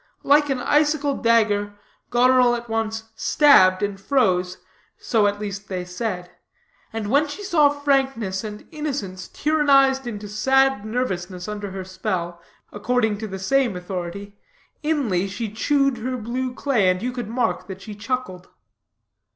Like an icicle dagger, Goneril at once stabbed and froze; so at least they said; and when she saw frankness and innocence tyrannized into sad nervousness under her spell, according to the same authority, inly she chewed her blue clay, and you could mark that she chuckled.